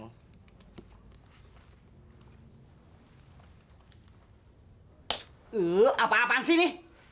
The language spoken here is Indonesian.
hai hai hai lu apa apaan sini